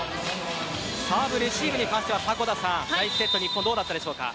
サーブレシーブに関しては第１セットの日本どうでしたか。